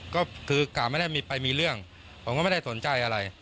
ก็คือกะไม่ได้ไปมีเรื่องผมก็ไม่ได้สนใจอะไร